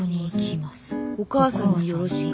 「お母さんによろしく。